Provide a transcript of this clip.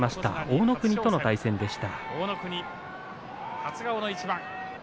大乃国との対戦です。